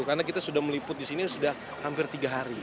karena kita sudah meliput di sini sudah hampir tiga hari